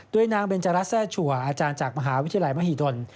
โดยนางเบนจารัสแซ่ชัวร์อาจารย์จากมหาวิทยาลัยมหิดล